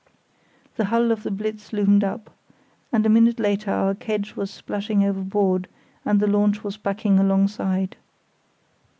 The hull of the Blitz loomed up, and a minute later our kedge was splashing overboard and the launch was backing alongside.